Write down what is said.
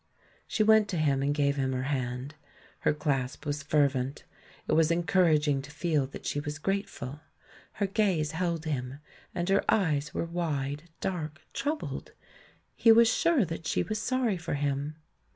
" She went to him and gave him her hand. Her clasp was fervent — it was encouraging to feel that she was grateful! Her gaze held him, and her eyes were wide, dark, troubled; he was sure that she was sorry for him.